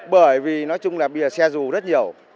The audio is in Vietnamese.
bởi vì nói chung là bìa xe dù rất nhiều